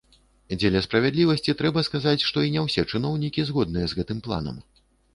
Дзеля справядлівасці трэба сказаць, што і не ўсе чыноўнікі згодныя з гэтым планам.